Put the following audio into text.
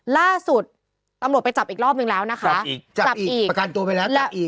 ล่าสุดตำรวจไปจับอีกรอบนึงแล้วนะคะอีกจับจับอีกประกันตัวไปแล้วจับอีก